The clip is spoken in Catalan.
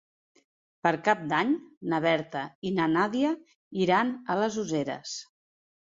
Per Cap d'Any na Berta i na Nàdia iran a les Useres.